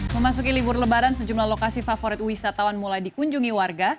memasuki libur lebaran sejumlah lokasi favorit wisatawan mulai dikunjungi warga